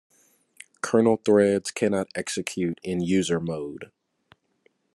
Kernel threads cannot execute in user mode.